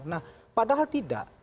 nah padahal tidak